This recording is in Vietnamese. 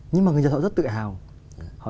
nhưng mà người nhật họ rất tự hào